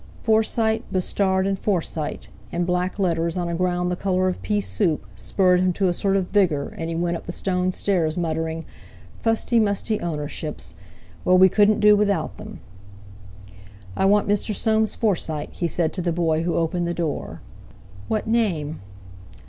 "Forsyte, Bustard and Forsyte," in black letters on a ground the colour of peasoup, spurred him to a sort of vigour, and he went up the stone stairs muttering: "Fusty musty ownerships! Well, we couldn't do without them!" "I want Mr. Soames Forsyte," he said to the boy who opened the door. "What name?"